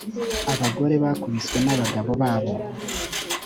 abagore bakubiswe n abagabo babo